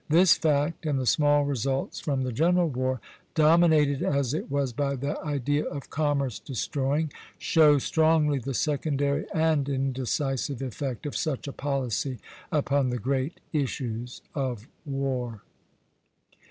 This fact, and the small results from the general war, dominated as it was by the idea of commerce destroying, show strongly the secondary and indecisive effect of such a policy upon the great issues of war.